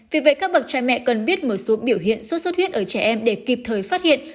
vì vậy các bậc trẻ mẹ cần biết một số biểu hiện suất huyết ở trẻ em để kịp thời phát hiện